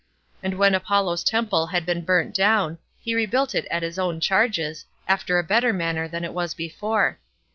And when Apollo's temple had been burnt down, he rebuilt it at his own charges, after a better manner than it was before.